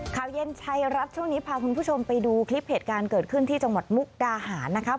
ข่าวเย็นไทยรัฐช่วงนี้พาคุณผู้ชมไปดูคลิปเหตุการณ์เกิดขึ้นที่จังหวัดมุกดาหารนะครับ